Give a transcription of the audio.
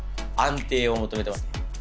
安定を求めてます。